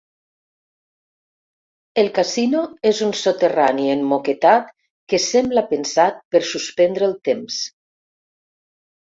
El casino és un soterrani emmoquetat que sembla pensat per suspendre el temps.